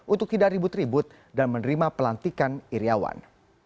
untuk tidak ribut ribut dan menerima pelantikan iryawan